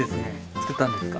作ったんですか？